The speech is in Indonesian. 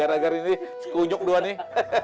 agar ini sekunyuk doang nih